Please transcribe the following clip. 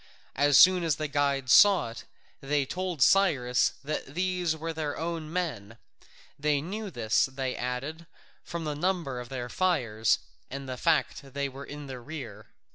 As soon as the guides saw it, they told Cyrus that these were their own men: they knew this, they added, from the number of their fires, and the fact that they were in the rear.